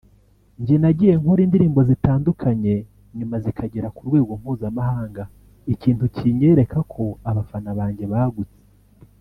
Njye nagiye nkora indirimbo zitandukanye nyuma zikagera ku rwego mpuzamahanga ikintu kinyereka ko abafana banjye bagutse